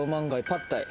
パッタイ。